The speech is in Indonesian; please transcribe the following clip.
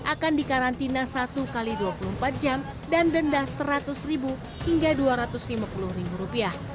akan dikarantina satu x dua puluh empat jam dan denda rp seratus hingga rp dua ratus lima puluh